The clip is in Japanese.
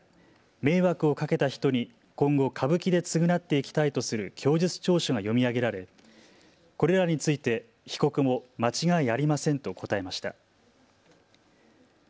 迷惑をかけた人に今後、歌舞伎で償っていきたいとする供述調書が読み上げられこれらについて被告も間違いありませんと答えました。